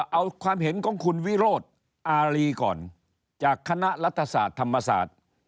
เอาความเห็นของคุณวิโรธอารีก่อนจากคณะรัฐศาสตร์ธรรมศาสตร์